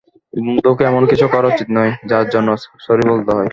বন্ধুকে এমন কিছু করা উচিত নয়, যার জন্য স্যরি বলতে হয়।